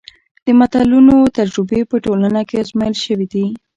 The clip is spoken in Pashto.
د متلونو تجربې په ټولنه کې ازمایل شوي دي